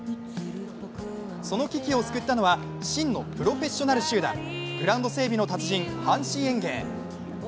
その危機を救ったのは真のプロフェッショナル集団、グランド整備の達人・阪神園芸。